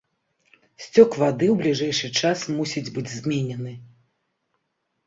Сцёк вады ў бліжэйшы час мусіць быць зменены.